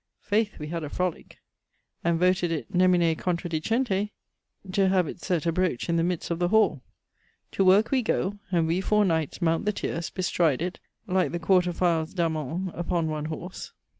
Faith! we had a frolique, and voted it (nemine contradicente) to have itt sett abroach in the midest of the hall. To worke we goe, and we four knights mount the tierce, bestride it, like the quarter files d'Amond upon one horse.